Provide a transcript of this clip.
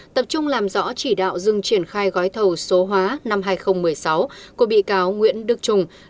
tập trung làm rõ chỉ đạo dừng triển khai gói thầu số hóa năm hai nghìn một mươi sáu của bị cáo nguyễn đức trung